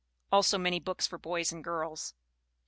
(Also many books for boys and girls.)